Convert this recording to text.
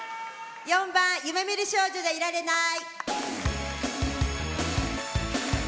４番「夢見る少女じゃいられない」。